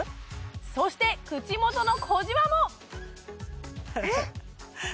そして口元の小じわもえ！？